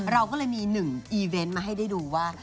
เราก็เลยมี๑ตปปัวมาให้ได้ดูว่า